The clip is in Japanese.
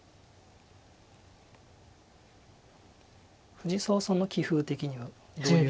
藤沢さんの棋風的にはどういう印象ですか？